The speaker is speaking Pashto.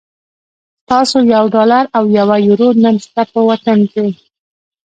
ستاسو یو ډالر او یوه یورو نن شپه په وطن کی